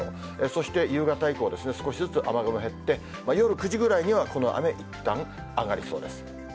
そして夕方以降、少しずつ雨雲減って、夜９時ぐらいには、この雨、いったん上がりそうです。